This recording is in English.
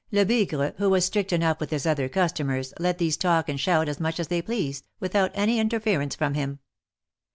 Lebigre, who was strict enough with his other customers, let these talk and shout as much as they pleased, without any interference from him.